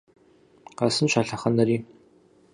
Къэсынщ а лъэхъэнэри!